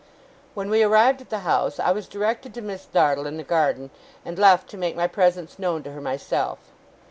When we arrived at the house, I was directed to Miss Dartle in the garden, and left to make my presence known to her myself.